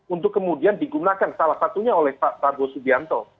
untuk kemudian digunakan salah satunya oleh pak prabowo subianto